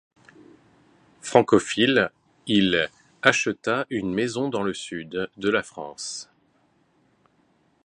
Francophile, il acheta une maison dans le sud de la France.